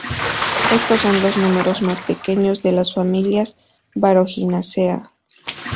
Estos son los números más pequeños de la familia Boraginaceae.